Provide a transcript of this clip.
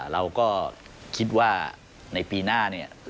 เราก็คิดว่าในปีหน้าเนี่ย